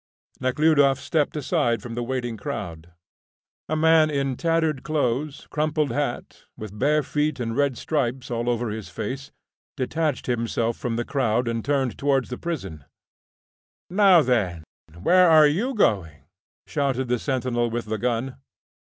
Nekhludoff stepped aside from the waiting crowd. A man in tattered clothes, crumpled hat, with bare feet and red stripes all over his face, detached himself from the crowd, and turned towards the prison. "Now, then, where are you going?" shouted the sentinel with the gun.